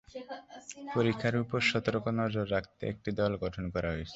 পরিখার উপর সতর্ক নজর রাখতে একটি দল গঠন করা হয়েছে।